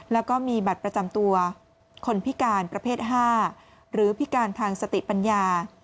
แล้วก็มีบัตรประจำตัวคนพิการประเภท๕หรือพิการทางสติปัญญา